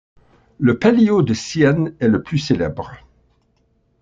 Le Palio de Sienne est le plus célèbre.